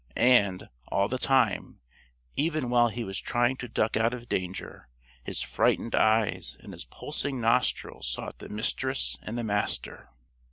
And, all the time, even while he was trying to duck out of danger, his frightened eyes and his pulsing nostrils sought the Mistress and the Master.